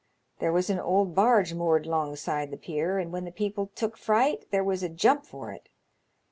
There was an old barge moored 'longside the pier, and when the people took fright there was a jump for it.